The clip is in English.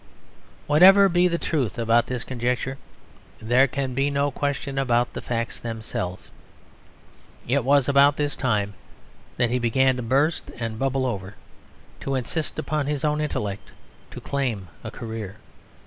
Whatever be the truth about this conjecture there can be no question about the facts themselves. It was about this time that he began to burst and bubble over, to insist upon his own intellect, to claim a career.